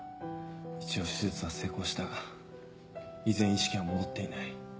一応手術は成功したが依然意識は戻っていない。